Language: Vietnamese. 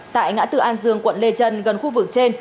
tại ngã tư an dương quận lê trân gần khu vực trên